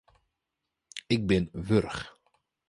Ik bin wurch.